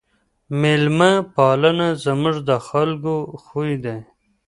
ميلمه پالنه زموږ د خلګو خوی دی.